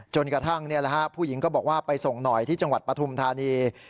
กระทั่งผู้หญิงก็บอกว่าไปส่งหน่อยที่จังหวัดปฐุมธานี